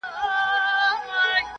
خلک نور ژوند کوي عادي,